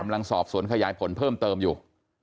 กำลังสอบสวนขยายผลเพิ่มเติมอยู่